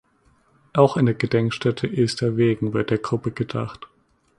Auch in der Gedenkstätte Esterwegen wird der Gruppe gedacht.